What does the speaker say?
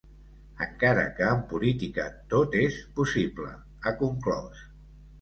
Encara que en política tot és possible, ha conclòs.